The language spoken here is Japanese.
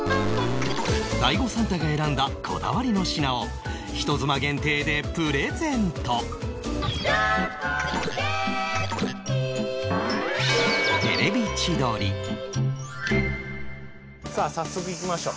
大悟サンタが選んだこだわりの品を人妻限定でプレゼントさあ早速いきましょう。